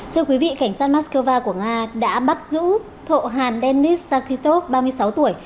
thưa quý vị cảnh sát moscow của nga đã bắt giữ thộ hàn denis shachitov ba mươi sáu tuổi